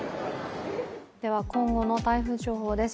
では今後の台風情報です。